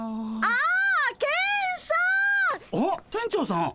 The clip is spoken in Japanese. あっ店長さん。